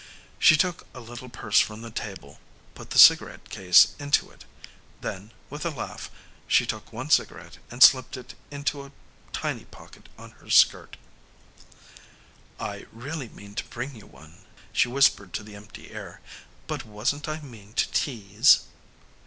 She took a little purse from the table, put the cigarette case into it. Then, with a laugh, she took one cigarette and slipped it into a tiny pocket on her skirt. "I really meant to bring you one," she whispered to the empty air, "but wasn't I mean to tease?"